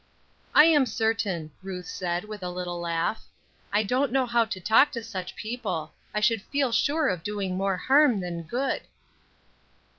"I am certain," Ruth said, with a little laugh. "I don't know how to talk to such people. I should feel sure of doing more harm than good."